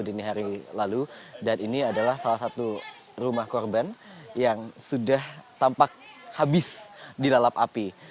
dan ini adalah salah satu rumah korban yang sudah tampak habis dilalap api